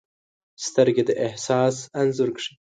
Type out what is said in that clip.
سترګې د احساس انځور کښي